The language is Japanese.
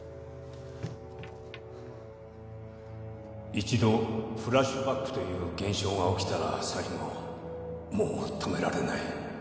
一度フラッシュバックという現象が起きたら最後もう止められない。